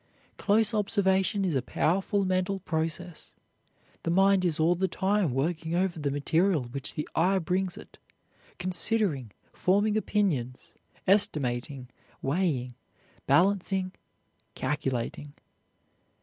Close observation is a powerful mental process. The mind is all the time working over the material which the eye brings it, considering, forming opinions, estimating, weighing, balancing, calculating.